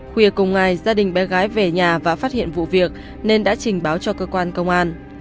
khuya cùng ngày gia đình bé gái về nhà và phát hiện vụ việc nên đã trình báo cho cơ quan công an